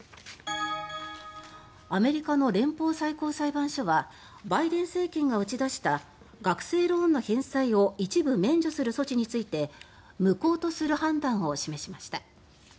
アメリカの連邦最高裁判所はバイデン政権が打ち出した学生ローンの返済を一部免除する措置について無効とする判断を示しました。